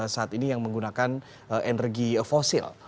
saat ini yang menggunakan energi fosil